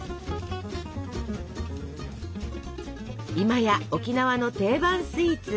今や沖縄の定番スイーツ。